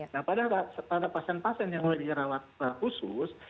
nah pada pasien pasien yang sudah dirawat khusus